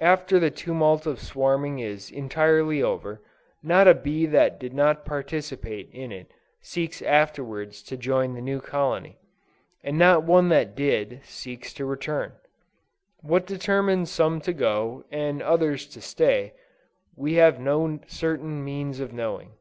After the tumult of swarming is entirely over, not a bee that did not participate in it, seeks afterwards to join the new colony, and not one that did, seeks to return. What determines some to go, and others to stay, we have no certain means of knowing.